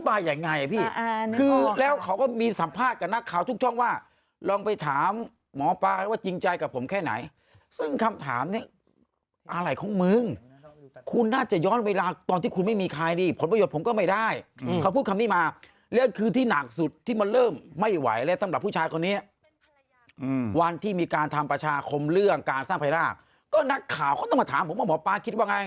ดีอับมงคลใส่อันถึงจะทำลายผมจะทำไหมผมคิดถามคุณว่าถ้าคุณเป็นถ้ายัง